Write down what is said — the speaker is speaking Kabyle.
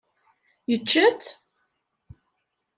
Yečča-tt?